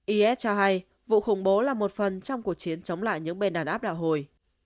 is cho hay vụ khủng bố là một phần trong cuộc chiến chống lại những bên đàn áp đảo hồi